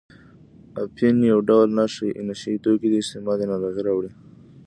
اپین یو ډول نشه یي توکي دي استعمال یې ناروغۍ راوړي.